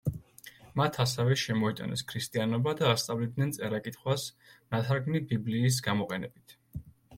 მათ ასევე შემოიტანეს ქრისტიანობა და ასწავლიდნენ წერა-კითხვას ნათარგმნი ბიბლიის გამოყენებით.